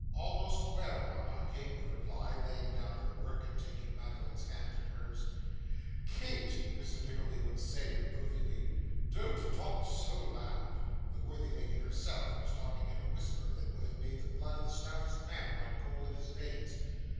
'Almost well, mama,' Kate would reply, laying down her work, and taking Madeline's hand in hers. 'Kate!' Mrs. Nickleby would say, reprovingly, 'don't talk so loud' (the worthy lady herself talking in a whisper that would have made the blood of the stoutest man run cold in his veins).